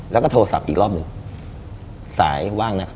แล้วก็โทรศัพท์อีกรอบหนึ่ง